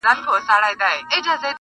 • ډېر کسان دي نه د جنګ وي نه د ننګ وي -